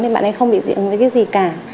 thì bạn ấy không bị dị ứng với cái gì cả